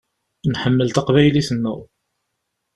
Nḥemmel taqbaylit-nneɣ.